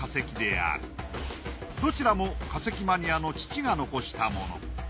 お宝はどちらも化石マニアの父が遺したもの。